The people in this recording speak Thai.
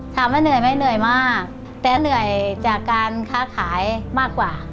ถามว่าเหนื่อยไหมเหนื่อยมากแต่เหนื่อยจากการค้าขายมากกว่า